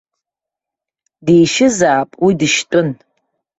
Дишьызааит, уи дышьтәын.